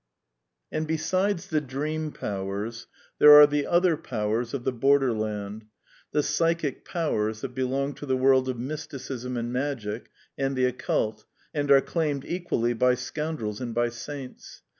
And besides the dream powers, there are the other powers of the Borderland, the " psychic " powers that be long to the world of Mysticism and Magic and the oggult^ and are claimed equally by scojiudzels and by saints.